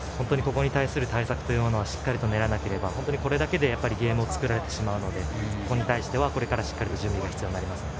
これに対する対策を練らないと本当にこれだけでゲームを作られてしまうのでここに対してはこれからしっかり準備が必要になります。